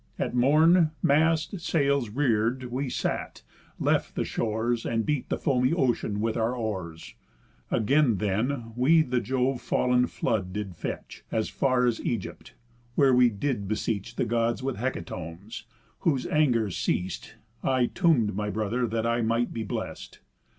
At morn, masts, sails, rear'd, we sat, left the shores, And beat the foamy ocean with our oars. Again then we the Jove fall'n flood did fetch, As far as Ægypt; where we did beseech The Gods with hecatombs; whose angers ceast, I tomb'd my brother that I might be blest.